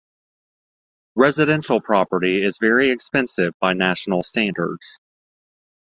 Residential property is very expensive by national standards.